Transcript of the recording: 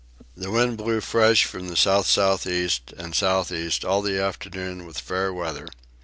The wind blew fresh from the south south east and south east all the afternoon with fair weather.